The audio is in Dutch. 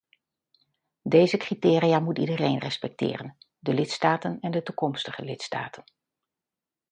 Deze criteria moet iedereen respecteren - de lidstaten en de toekomstige lidstaten.